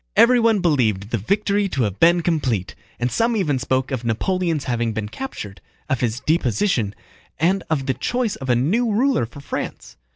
Everyone believed the victory to have been complete, and some even spoke of Napoleon's having been captured, of his deposition, and of the choice of a new ruler for France.